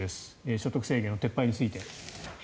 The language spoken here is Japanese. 所得制限の撤廃について。